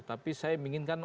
tapi saya menginginkan